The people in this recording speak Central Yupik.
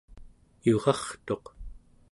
yurartuq